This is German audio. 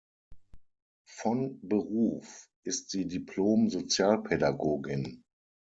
Von Beruf ist sie Diplom-Sozialpädagogin.